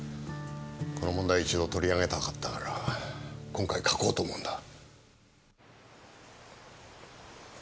この問題一度取り上げたかったから今回書こうと思うんだ。